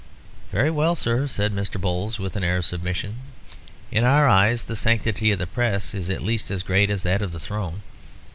"Very well, sir," said Mr. Bowles, with an air of submission, "in our eyes the sanctity of the press is at least as great as that of the throne.